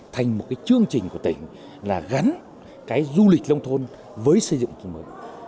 thành một chương trình của tỉnh gắn du lịch nông thôn với xây dựng tỉnh bỉ